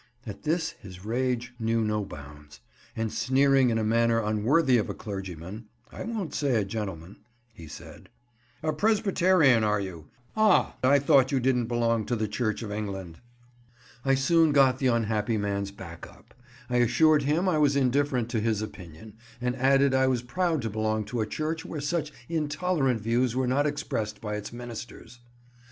At this his rage knew no bounds, and sneering in a manner unworthy of a clergyman (I won't say a gentleman), he said— "A Presbyterian, are you? Ah, I thought you didn't belong to the Church of England!" I soon got the unhappy man's back up. I assured him I was indifferent to his opinion, and added I was proud to belong to a Church where such intolerant views were not expressed by its ministers.